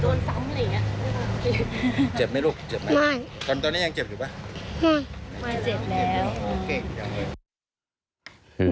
ตอนนี้ยังเจ็บหรือเปล่าไม่เจ็บแล้ว